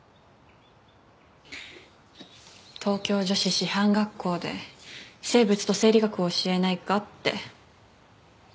東京女子師範学校で生物と生理学を教えないかって。